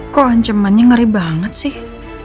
kok ancamannya ngeri banget sih